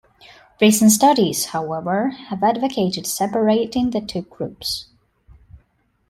Recent studies, however, have advocated separating the two groups.